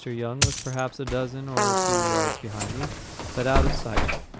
Young was perhaps a dozen or two yards behind me, but out of sight.